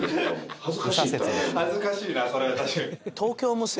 恥ずかしいなそれは確かに。